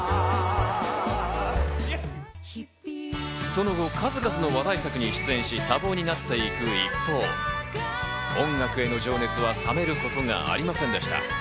その後、数々の話題作に出演し、多忙になっていく一方、音楽への情熱は冷めることがありませんでした。